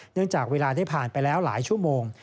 จากเวลาได้ผ่านไปแล้วหลายชั่วโมง